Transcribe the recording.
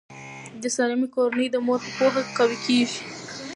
د سالمې کورنۍ د مور په پوهه قوي کیږي.